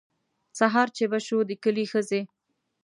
سهار چې به شو د کلي ښځې.